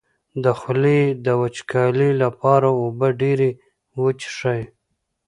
د خولې د وچوالي لپاره اوبه ډیرې وڅښئ